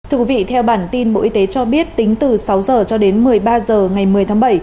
thưa quý vị theo bản tin bộ y tế cho biết tính từ sáu h cho đến một mươi ba h ngày một mươi tháng bảy